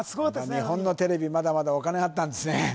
日本のテレビまだまだお金あったんですね